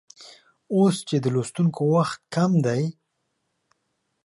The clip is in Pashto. اوس چې د لوستونکو وخت کم دی